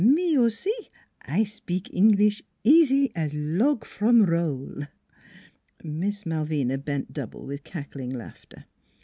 " Me aussi, I spik Englis' easy as log from roll." Miss Malvina bent double with cackling laughter.